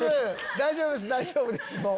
大丈夫です大丈夫ですもう。